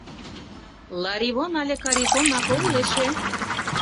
Ларивон але Каритонак огыл эше?